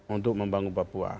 untuk membangun papua